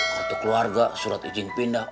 kartu keluarga surat izin pindah